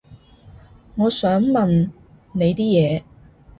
我想問你啲嘢